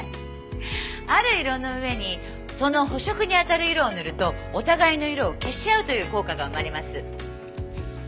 ある色の上にその補色に当たる色を塗るとお互いの色を消し合うという効果が生まれます。